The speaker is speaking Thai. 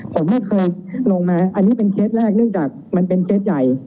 ผมไม่เคยลงมาอันนี้เป็นเคสแรกเนื่องจากมันเป็นเคสใหญ่